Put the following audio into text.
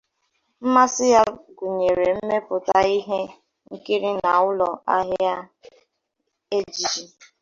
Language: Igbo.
Mmasị ya gụnyere mmepụta ihe nkiri na ụlọ ahịa ejiji.